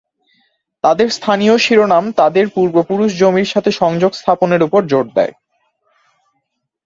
তাদের স্থানীয় শিরোনাম তাদের পূর্বপুরুষ জমির সাথে সংযোগ স্থাপন উপর জোর দেয়।